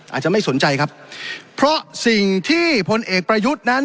อาจจะไม่สนใจครับเพราะสิ่งที่พลเอกประยุทธ์นั้น